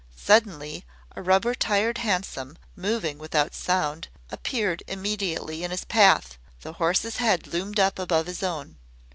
Suddenly a rubber tired hansom, moving without sound, appeared immediately in his path the horse's head loomed up above his own.